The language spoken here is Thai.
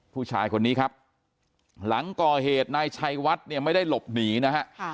ผู้ชายคนนี้ครับหลังก่อเหตุนายชัยวัดเนี่ยไม่ได้หลบหนีนะฮะ